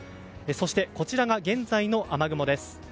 そして、こちらが現在の雨雲です。